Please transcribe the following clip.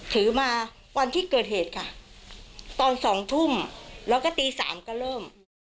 ถือมาวันที่เกิดเหตุค่ะตอนสองทุ่มแล้วก็ตีสามก็เริ่ม